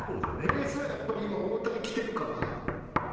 ベースやっぱり今大谷着てるから。